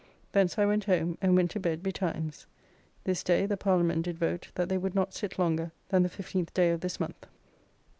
Thence I went home, and went to bed betimes. This day the Parliament did vote that they would not sit longer than the 15th day of this month.